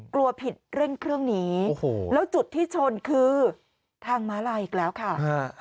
กลัวผิดเร่งเครื่องหนีโอ้โหแล้วจุดที่ชนคือทางม้าลายอีกแล้วค่ะ